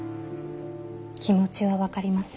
気持ちは分かります。